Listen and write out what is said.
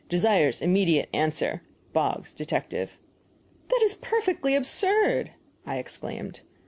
Desires immediate answer. BOGGS, Detective. "That is perfectly absurd!" I exclaimed.